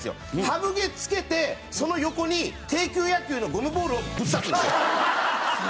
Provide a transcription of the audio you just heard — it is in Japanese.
ハブ毛つけてその横に庭球野球のゴムボールをぶっ刺すんですよ。